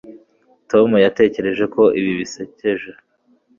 Tom yatekereje ko ibi bisekeje